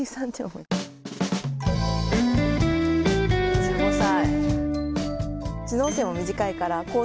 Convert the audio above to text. ２５歳。